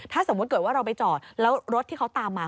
ถ้าสมมุติเกิดว่าเราไปจอดแล้วรถที่เขาตามมา